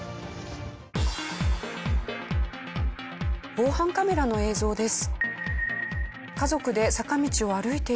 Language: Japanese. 防犯カメラの映像です。